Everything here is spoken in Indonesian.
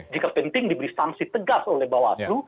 jika penting diberi sanksi tegas oleh bawah asu